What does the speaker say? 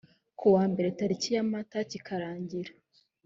kuwa mbere tariki ya mata kikarangira .